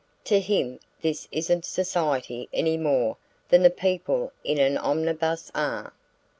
To him this isn't 'society' any more than the people in an omnibus are.